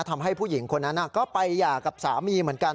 ทำให้ผู้หญิงคนนั้นก็ไปหย่ากับสามีเหมือนกัน